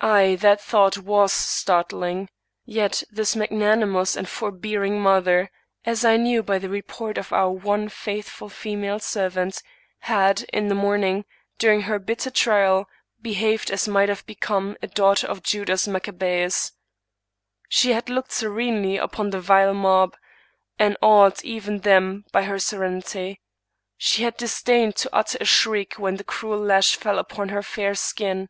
Aye, that thought was 153 English Mystery Stories startling. Yet this magnanimous and forbearing mother^ as I knew by the report of our one faithful female servant^ had, in the morning, during her bitter trial, behaved as might have become a daughter of Judas Maccabseus: she had looked serenely upon the vile mob, and awed even them by her serenity; she had disdained to utter a shriek when the cruel lash fell upon her fair skin.